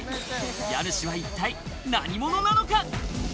家主は一体何者なのか？